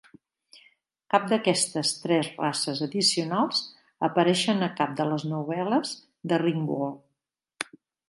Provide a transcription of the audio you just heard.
Cap d'aquestes tres races addicionals apareixen a cap de les novel·les de "Ringworld".